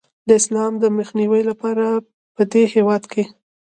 د اسلام د مخنیوي لپاره پدې هیواد کې